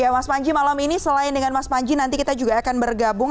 ya mas panji malam ini selain dengan mas panji nanti kita juga akan bergabung